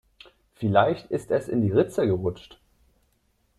Vielleicht ist es in die Ritze gerutscht.